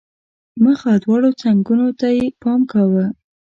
مخ او دواړو څنګونو ته یې پام کاوه.